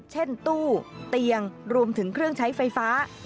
เช่นตู้เตียงรวมถึงเครื่องใช้ไฟฟ้า